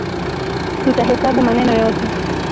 Tutahesabu maneno yote